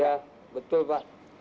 iya betul pak